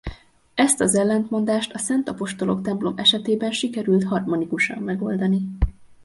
Ezt az ellentmondást a Szent Apostolok templom esetében sikerült harmonikusan megoldani.